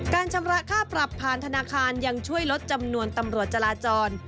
ชำระค่าปรับผ่านธนาคารยังช่วยลดจำนวนตำรวจจราจร